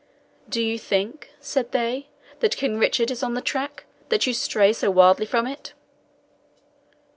"Do you think," said they, "that King Richard is on the track, that you stray so wildly from it?"